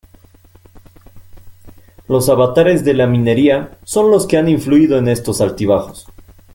Los avatares de la minería son los que han influido en estos altibajos.